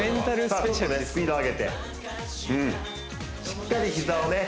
スピード上げてしっかり膝をね